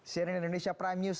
seri indonesia prime news